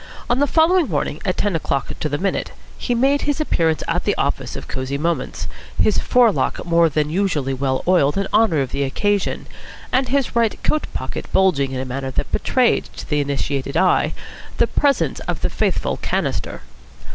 On the following morning, at ten o'clock to the minute, he made his appearance at the office of Cosy Moments, his fore lock more than usually well oiled in honour of the occasion, and his right coat pocket bulging in a manner that betrayed to the initiated eye the presence of the faithful "canister."